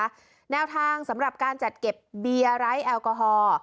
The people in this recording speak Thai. และพิจารณานะคะแนวทางสำหรับการจัดเก็บเบียร้ายแอลกอฮอล์